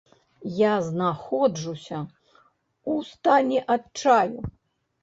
Я знаходжуся ў стане адчаю.